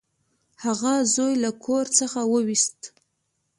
هغه زوی له کور څخه وویست.